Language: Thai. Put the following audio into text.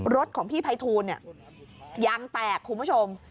รถของพี่ไพทูลยางแตกคุณผู้ชม